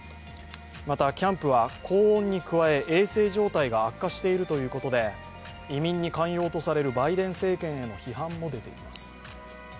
またキャンプは高温に加え衛生状態が悪化しているということで、移民に寛容とされるバイデン政権への批判も出ています。